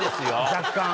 若干。